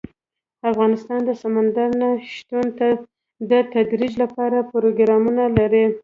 افغانستان د سمندر نه شتون د ترویج لپاره پروګرامونه لري.